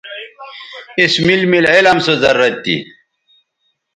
اس میل میل علم سو ضرورت تھی